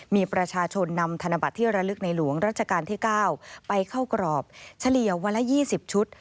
มีประชาชนนำธนบัตรที่ระลึกในหลวงรัชกาลที่๙ไปเข้ากรอบเฉลี่ยวันละ๒๐ชุด